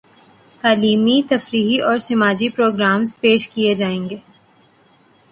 تعلیمی ، تفریحی اور سماجی پرو گرامز پیش کیے جائیں گے